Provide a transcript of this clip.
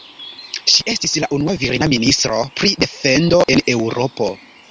Ŝi estis la unua virina ministro pri defendo en Eŭropo.